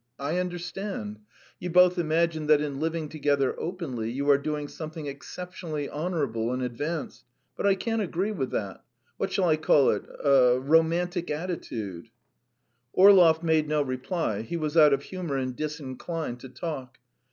I understand. You both imagine that in living together openly you are doing something exceptionally honourable and advanced, but I can't agree with that ... what shall I call it? ... romantic attitude?" Orlov made no reply. He was out of humour and disinclined to talk.